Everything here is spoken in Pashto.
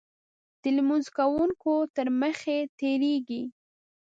د لمونځ کوونکو تر مخې تېرېږي.